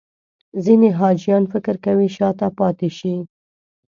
ځینې حاجیان فکر کوي شاته پاتې شي.